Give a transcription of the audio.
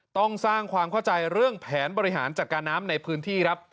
ต้องสร้างความเข้าใจเรื่องแผนบริหารจัดการน้ำในพื้นที่ครับ